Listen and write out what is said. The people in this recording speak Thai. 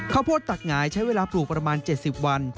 ข้าวโพดตักหงายใช้เวลาปลูกประมาณ๗๐วัน